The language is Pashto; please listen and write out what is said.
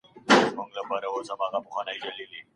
پر زمري باندي د سختو تېرېدلو